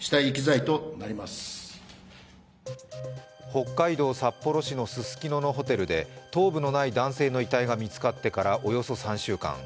北海道札幌市のススキノのホテルで頭部のない男性の遺体が見つかってからおよそ３週間。